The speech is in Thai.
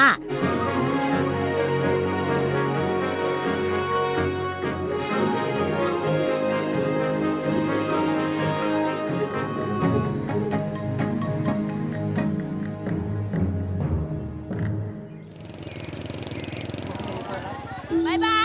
บ๊ายบาย